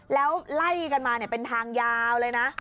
แล้วไล่กันมาเป็นทางยาวเลยนะ